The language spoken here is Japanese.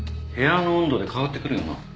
部屋の温度で変わってくるよな？